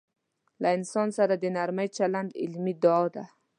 له انسان سره د نرمي چلند عملي دعا ده.